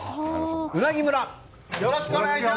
うなぎ村。